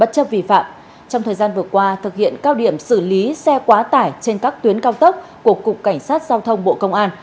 trong thời gian vừa qua thực hiện cao điểm xử lý xe quá tải trên các tuyến cao tốc của cục cảnh sát giao thông bộ công an